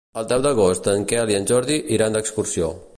El deu d'agost en Quel i en Jordi iran d'excursió.